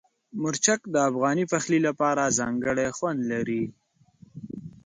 مرچک د افغاني پخلي لپاره ځانګړی خوند لري.